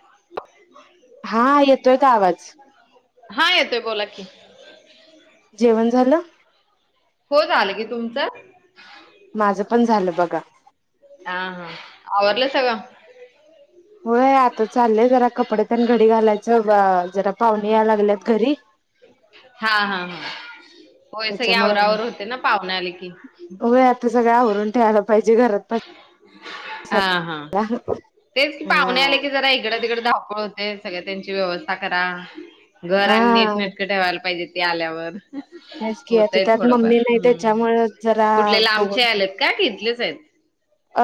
[inaudible] हा येतोय का आवाज? हा येतोय बोला की. जेवण झालं? हो झालं की तुमचं? माझं पण झालं बघा. आवरल सगळं? होय आता चाललंय जरा कपडे तेन घडी घालायचं जरा पाहुणे यायला लागल्यात घरी. हा हा हा. होय सगळे त्याच्यामुळे आवरावर होते ना पाहुणे आले की. होय आता सगळं आवरून [unintelligible] हा पसायला हा तेच कि पाहुणे आले हा की जरा इकड तिकड धावपळ होते. सगळ त्यांची व्यवस्था करा. घर आणि नेट नटकं ठेवायला पाहिजे ते आल्यावर. त्याच की होतय त्यात थोडंफार मम्मी नाही हम्म त्यांच्यामुळ जरा कुठले लांबचे बघून आलेत का की इथलेच आहेत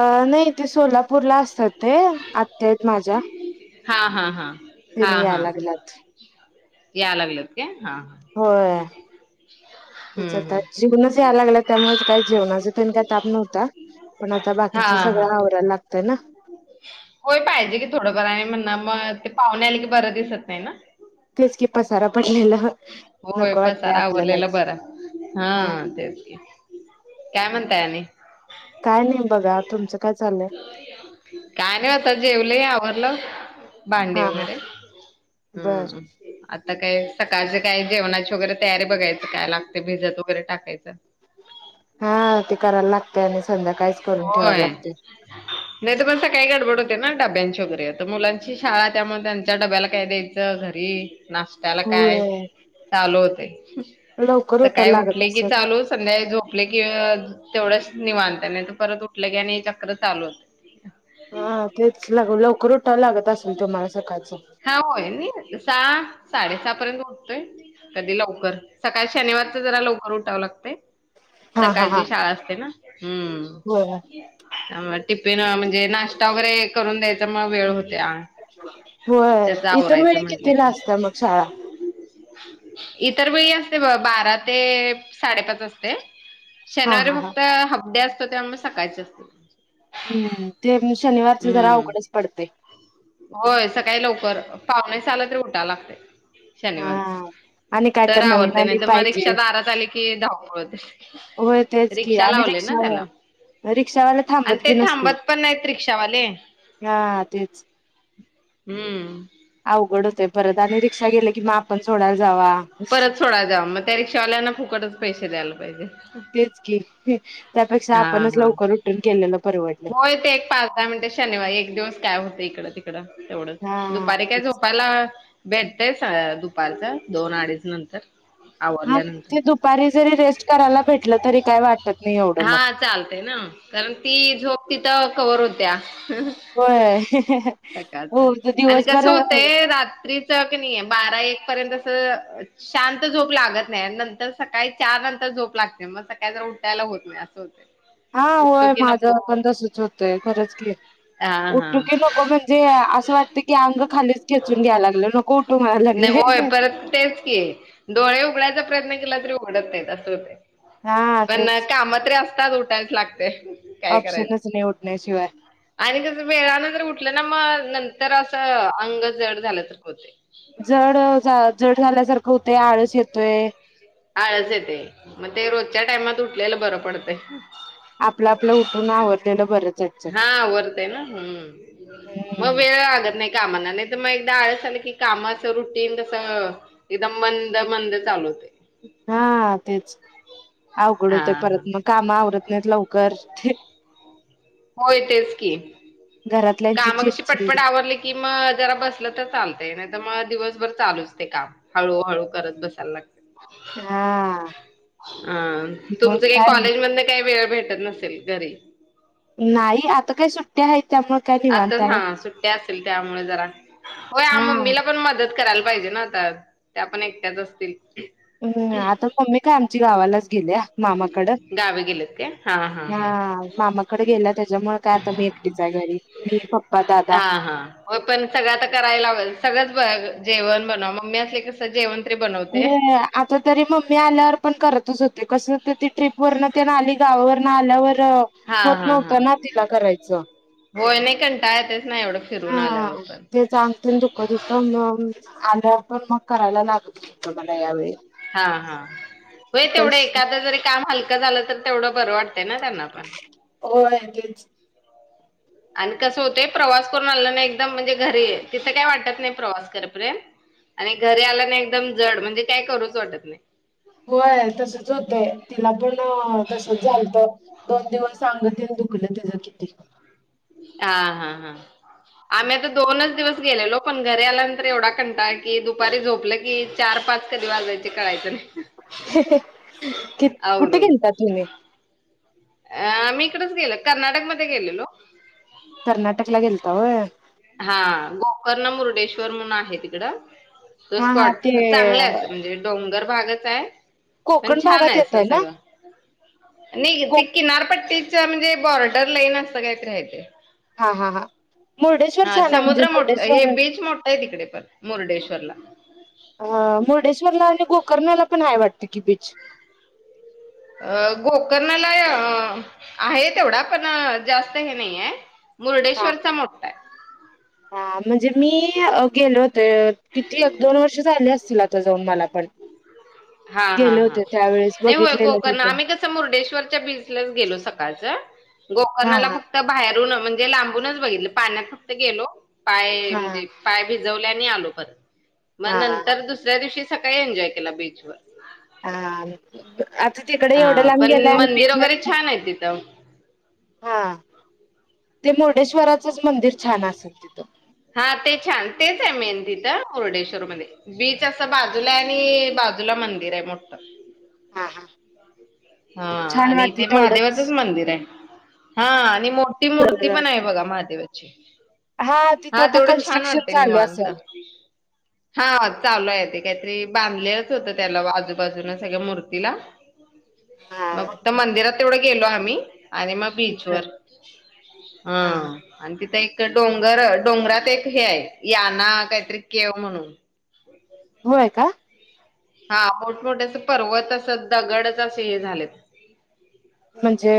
अ नाही ते सोलापूरला अस ते आत्या आहेत माझ्या हा हा हा तिने याय लागल्यात. याय लागल्यात काय? हा हा होय. तेच हम्म आता हम्म जेऊनच याय लागल्यात त्यामुळ काय जेवणाच तेन काय ताप नव्हता. पण आता हा बाकीच हा सगळं आवरायला लागतय ना. होय पाहिजे की थोडं फार आणि म्हणणार म ते पाहुणे आले की बरं दिसत नाय ना. तेच की पसारा पडलेल. होय पसारा आवरलेला बरां हा तेच की. काय म्हणताय आणि? काय नाही बघा तुमचं काय चाललंय काय नाही अता जेवले आवर ल भांडी हा हा वगैरे. बर हम्म आत आता काय सकाळचे काय जेवणाची वगैरे तयारी बघायच काय लागते भिजत वगैरे टाकायचं. हा ते करायला लागते आणि संध्याकाळीच करून ठेवायला होय. लागते नाही तर म सकाळी गडबड होते ना डब्यांची वगैरे आता मुलांची शाळा त्यामुळ त्यांच्या डब्याला काय द्यायचं घरी नाश्त्याला काय? होय चालू होतय, लवकर उठायला सकाळी लागत उठले की असेल चालू संध्याकाळी झो झोपल की अ तेवढच निवांत नाही तर परत उठलं की चक्र चालूच हा तेच लगे [unintelligible] साडेसहा पर्यंत उठतोय. कधी लवकर, सकाळी शनिवारच जरा लवकर उठावं लागतय. हा हा हा सकाळची शाळा असते ना. हम्म. होय टिफिन म्हणजे नाश्ता वगैरे करून द्यायचा मग वेळ होतोय. होय. इतर वेळी म्हटलं कितीला की असत्या मग शाळा? तर वेळी असते बघ बारा ते साडेपाच असते. हा शनिवारी हा हा फक्त हाफ डे असतो तेव्हा मग सकाळची असते. हम्म ते शनिवार ते जरा हम्म अवघडच पडतय. होय सकाळी लवकर पावणे सहाला तरी उठाव लागतय. हा शनिवारच आणि काय तर नवीन आवरतय आली नाही तर मग रिक्षा पाहिजे दारात आली कि धावपळ होते. होय तेच की रिक्षा आणि लावले ना त्याला. रिक्षावर रिक्षावाला आणि थांबत ते बी नसतील थांबत पण नाहीत रिक्षावाले हा तेच हम्म. अवघड परत आणि रिक्षा गेले की मग आपण सोडायला जावा परत सोडाय जावा मग त्या रिक्षावाल्यांना फुकटच पैसे द्यायला पाहिजे. तेच की त्यापेक्षा हा आपणच हा लवकर उटून केलेलं परवडलं. होय ते एक पाच दहा शनिवारी एक दिवस काय होतय इकड एवढं हा दुपारी काय तेच. झोपायला भेटतय दुपारच दोन, अडीच नंतर हा आवरल्यानंतर ते दुपारी जरी रेस्ट करायला भेटलं तरी काय वाटत नाही एवढं हा मग चालते कारण ती झोप तिथ कवर होत्या. होय. सकाळच हो आणि कस दिवसभर होतंय रात्रीच की नाही बारा एक पर्यंत [unintelligible] शांत झोप लागत नाही नंतर सकाळी चार नंतर झोप लागते मग सकाळी जर उठायला होत नाही असं होतय. हा होय माझं आपण तसच होतय खरंच की हा हा उठूकी नको म्हणजे असं वाटतं की अंग खालीच खेचून घ्यायला लागलं नको उठू म्हणायला नाही लागले. होय परत तेच की डोळे उघडायचा प्रयत्न केला तरी उघडत नाहीत असं होत हा पण तेच काम तरी असतात उठायच लागते काय करायच ऑप्शनच नाही उठण्याशिवाय आणि जस वेळानं जर उठलं ना मग नंतर असं अंग जड झाल्यासारखं होतंय. जड जड झाल्यासारखं होतय आळस येतोय. आळस येते मग ते रोजच्या टायमात उठलेलं बरं पडतंय. आपलं आपलं उठून आवरलेलं बरंच आहे. हा आवरतय ना हम मग हम्म वेळ लागतं नाही का म्हणा नाहीतर मग एकदा आळस आला की कामाच रूटीन एकदम मंद मंद चालू [unintelligible] हा तेच अवघड हा होते हा परत मग काम आवरत लवकर होय तेच की घरातल्यांची काम कशी चिडचिड पटपट आवरली की मग जरा बसलं तर चालतं. नाही तर मला दिवसभर चालूच ते काम हळू हळू करत बसायला लागते. हा अ मग तुमचं काही काय कॉलेज मधनं काही वेळ भेटत नसेल घरी नाही आता काय सुट्टी आहेत. त्यामुळे काय आता निवांत आहे हां सुट्ट्या असेल त्यामुळे जरा होय अ हा मम्मीला पण मदत करायला पाहिजे ना? आता त्या पण एकट्याच असतील. हम्म आता मम्मी काय आमची गावालाच गेल्या मामाकडं. गावी गेलेत काय हा हा हा हां मामाकडं गेल्या त्याच्यामुळं काय आता मी एकटीच आहे घरी मी प हां हां होय पण सगळं आता कराय लागल सगळंच ब जेवण बनव मम्मी असली की कसं जेवण तरी बनवते. अरे आता तरी मम्मी आल्यावर पण करत च होते कसं ते ट्रिपवरनं तेन आली गावावरनं आल्यावर हा [unintelligible] होत हा हा नव्हतं ना तिला करायचं. होय नाही कंटाळा येतोय हां तेच अंग तेन दुखत होतं मंग आल्यावर पण मग करायला लागत होतं मला यावेळी हां हां होय तर तेवढं एखादं जरी काम हलकं झालं तर तेवढं बरं वाटतंय ना त्यांना पण? होय तेच. आणि कसं होतंय प्रवास करून आलं ना म्हणजे एकदम घरी तिथं काय वाटत नाही प्रवास करेपर्यंत आणि घरी आल्या ना एकदम जड म्हणजे काय करूच वाटत नाही. होय तसच होतंय तिला पण तसंच झालंत दोन दिवस सांधं तेन दुखलं त्याचं किती हां हां हां. आम्ही आता दोनच दिवस गेलेलो पण घरी आल्यानंतर एवढा कंटाळा की दुपारी झोपलं की चार पाच कधी वाजायचे कळायचं नाही. की कुठे आवरून. गेलतात तुम्ही? अ.. मी इकडच गेलो कर्नाटकमध्ये गेलेलो. कर्नाटकला गेलता होय हा गोकर्ण मुर्डेश्वर म्हणून आहे. हाय तिकड. स हा हा स्कॉट ते चांगल अस म्हणजे. डोंगर भागच आहे. पण कोकण छान भागात आहे. येतय अस ना सगळं. नाही को ते किनारपट्टीच म्हणजे बॉर्डर लाईन असं काहीत हाय ते. हा. हा. हा. मुर्डेश्वर हा छान आहे म्हणजे समुद्र मोठ. हे मुर्डेश्वर बीच मोठा आहे. तिकडे पण मुर्डेश्वरला. अ मुर्डेश्वरला आणि. गोकर्णला पण हाय वाटत कि बीच. अ गोकर्णला अ आहे तेवढा पण. जास्त हे नाही आहे. हा मुर्डेश्वरचा मोठा आहे. हा म्हणजे मी गेले होते किती एक दोन वर्ष झाले असतील आता. जाऊन मला पण हा हा गेले हा होते. त्यावेवेळी. नाही होय. गोकर्ण आम्ही कसं मुर्डेश्वरच्या बीचलाच गेलो सकाळच. हा गोकर्णाला हा फक्त बाहेरून न. म्हणजे लांबूनच बघितलं. पाण्यात फक्त गेलो. पाय हा म्हणजे पाय भिजवले आणि आलो परत. मग हा हा. नंतर दुसऱ्या दिवशी सकाळी एन्जॉय केला बीचवर. हा आता तिकडे हा एवढ्या लांब पण गेलाय आणि मंदिर बीचवर वगैरे छान आहे तिथं. ह् [inaudible] हा ते मुर्डेश्वरात. हा ते छान. तेच आहे मेन तिथं. तिथ मुर्डेश्वर मध्ये. बीच असं बाजूला आणि. बाजूला मंदिर आहे मोठं. हा. हा. हा छान आणि वाटते ते तेवढंच महादेवाचंच मंदिर आहे. हा, आणि मोठी मूर्ती पण आहे वाटते. बघा महादेवाची. तिथं हा आता तेवढं छान कन्स्ट्रक्शन वाटतंय चालू निवांत. असेल हा चालू हाय ते काहीतरी बांधलेलच होतं त्याला आजूबाजून सगळ्या मूर्तीला. मग हा. फक्त मंदिरात तेवढं गेलो आम्ही आणि मग बीचवर, हा आणि तिथं एक त डोंगर डोंगरात एक हे आहे याना काहीतरी केव म्हणून. होय का? हा मोठमोठे असं पर्वत असं दगडच असे हे झालेत. म्हणजे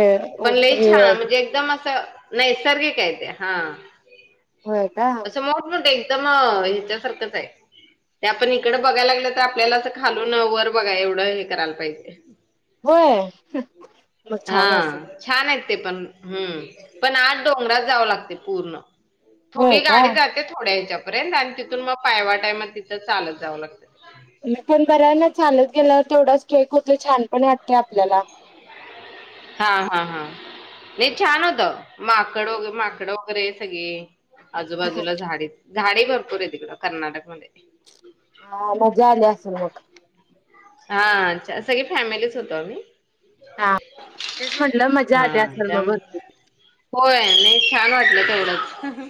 पण लय हे छा म्हणजे एकदम असं नैसर्गिक आहे ते हा, होय का असं मोठमोठे एकदम ह्याच्यासारखंच आहे ते आपण इकडं बघायला लागलं तर आपल्याला असं खालून न वर बघाय एवढं हे करायला पाहिजे. होय? मग छान हा असेल. छान आहेत ते पण, हम्म पण आत डोंगरात जावं लागतंय पूर्ण. होय थोडी का गाडी जाते थोड्या हच्यापर्यंत आणि तिथून मग पायवाट हाय म तिथं चालत जावं लागतं. म पण बरं आहे ना चालत गेल्यावर तेवढं स्ट्रेक होतोय छान पण वाटते आपल्याला. हा हा हा, नाही छान होतं माकड वग माकडं वगैरे सगळी. आजूबाजूला झाडे झाडे भरपूर आहे तिकडं कर्नाटकमध्ये. हा मजा आली असेल मग हा अच्छा, सगळी फॅमिलीच होतो आम्ही. हा तेच म्हटलं मजा हा, आली असेल त्या मग भरपूर होय नाही छान वाटलं तेवढंच,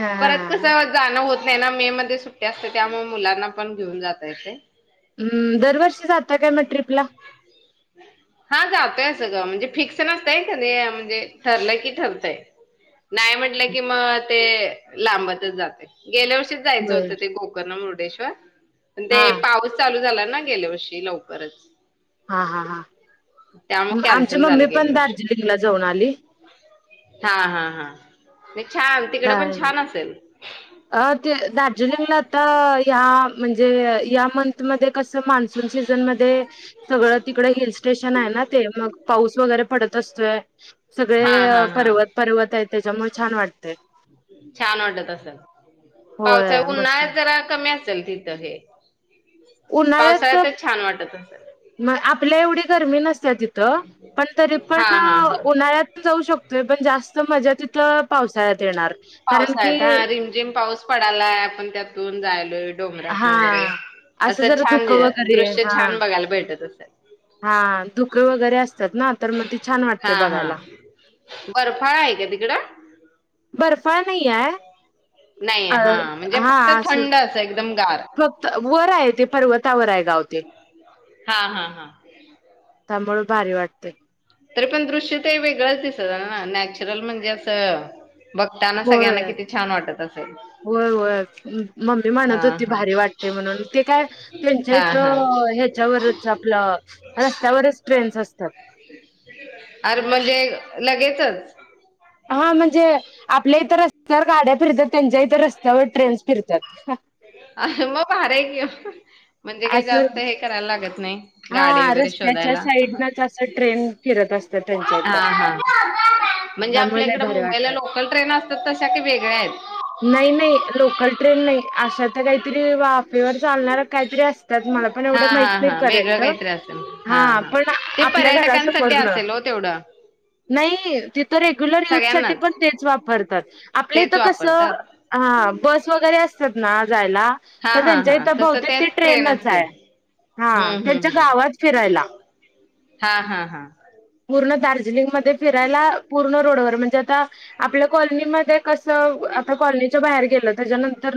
हा परत कसं जाणं होत नाय ना, मे मध्ये सुट्टी असते त्यामुळे मुलांना पण घेऊन जाता येतंय. हम्म दरवर्षी जाता काय म ट्ररीपला. हा जातोय म्हणजे फिक्स नसतय. कणी म्हणजे ठरलंय की ठरतय. नाही म्हटलं. की मग ते लांबातच जातय. गेल्या वर्षीच जायचं होय होतं. ते गोकर्ण मुर्डेश्वर पण ते हा पाऊस चालू झाला. ना गेल्या वर्षी लवकरच. हा. हा. हा. त्यामुळे आमची कॅन्सल मम्मी झालं पण. गेल्या वर्षी दार्जिलिंगला जाऊन आली. हा. हा. हा. म छान तिकड पण छान असेल? आ. ते दार्जिलिंगला आता या म्हणजे. या मंथमध्ये कस मानस. सीझन मध्ये. सगळं तिकडे हिल-स्टेशन आहे ना ते. मग पाऊस वगैरे पडत असतोय. सगळे हा हा हा पर्वत-पर्वत आहेत त्याच्यामुळे छान वाटतय. छान वाटत असल होय मस्त. पावसा-उन्हाळ्यात जरा कमी असेल तिथं हे. पावसाळ्यातच छान वाटत. मग आपल्या एवढी गरमी नसत्या तिथं. पण तरी पण हा हा हा उन्हाळ्यात पण जाऊ शकतो. पण जास्त मजा तिथ पावसाळ्यात हा रिमझिम पाऊस पडालाय. आपण त्यातून जायलोय. डोंगरातन हा वगैरे. असं जरा छान धुकं वगैरे दृश्य हा छान बघायला भेटत असेल. हा धुके वगैरे असतात ना. तर मग ते छान वाटते हा हा बघायला. बर्फाळ आहे का तिकडं? बर्फा नाही हाय. नाही अ. हा म्हणजे फक्त हा. अस. थंड असं एकदम गार फक्त वर आहे ते. पर्वतावर आहे. गाव ते. हा. हा. हा. त्यामुळं भारी वाटतंय. तरी पण दृश्य ते वेगळंच [unintelligible] ना नॅचरल म्हणजे असं बघताना होय सगळ्यांना किती छान वाटत असेल. होय होय मम्मी हा म्हणत होती हा भारी वाटते म्हणून ते काय त्यांच्या हा इथ. हा ह्याच्यावरच आपलं रस्त्यावरच ट्रेन्स असतात. अर म्हणजे लगेचच. हा म्हणजे आपल्या इ तरर. तर गाड्या फिरतात त्यांच्या इथर रस्त्यावर ट्रेन्स फिरतात. अ मग बाारा आहे घेऊ म्हणजे काही असं जास्त हे करायला लागत नाही. हा गाडी वगैरे रस्त्याच्या शोधायला साईडनच असं ट्रेन फिरत असतं त्यांच्या हा इथं हा. म्हणजे त्यामुळे आपल्या इकड लय भारी मुंबईला वाटतं लोकल ट्रेन असतात तशा काही वेगळ्या आहेत. नाही नाही लोकल ट्रेन नाही. अशात तर काहीतरी वाफेवर चालणार काहीतरी असतात मला पण हा एवढं माहित हा नाही हा वेगळं करेल. काहीतरी असेल हा पण ते आपल्या घर असं पर्यटकांसाठी फरलं. असेल हो तेवढं नाही तिथ रेग्युलर युथ सा सगळ्यांनाच पण तेच वापरतात आपलंथ तेच कस. वापरतात हा बस वगैरे असतात. ना हा हा त्यांच्या हा इथ ब तसं तेच ट्रेन असते आहे हम्म ह. हम्म त्यांच्या हम्म गावात फिरायला हा हा हा. पूर्ण दार्जिलिंगमध्ये फिरायला पूर्ण रोडवर म्हणजे आता आपल्या कॉलनीमध्ये कस. आता कॉलनीच्या बाहेर गेलं त्याच्यानंतर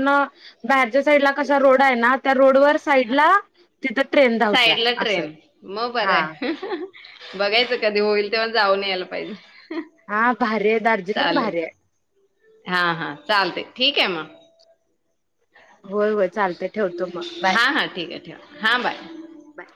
बा साईड कसा रोड आहे ना त्या रोड व साईड ला तिथ ट्रेन धावत्या साईडला असं. ट्रेन मग हा बरंय बघायचं कधी होईल तेव्हा जाऊन यायला पाहिजे. हा भारी आहे दार्जिलिंग चालेल भारी आहे हा हा चालते ठीक आहे मग होय होय चालत ठेवतो मग बाय हां हां ठीक आहे ठेवा हां बाय बाय.